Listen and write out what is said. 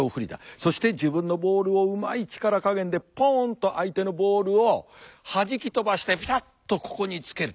そして自分のボールをうまい力加減でポンと相手のボールをはじき飛ばしてピタッとここにつける。